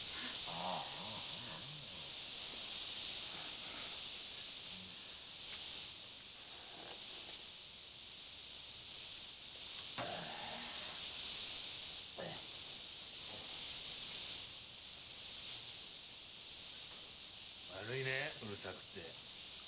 あぁっ！悪いねうるさくって。